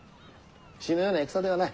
死ぬような戦ではない。